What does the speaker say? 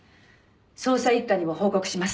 捜査一課にも報告します。